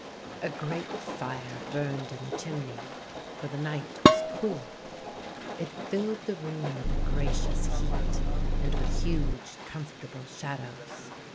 A great fire burned in the chimney, for the night was cool. It filled the room with a gracious heat and with huge, comfortable shadows.